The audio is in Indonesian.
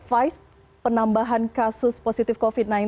vice penambahan kasus positif covid sembilan belas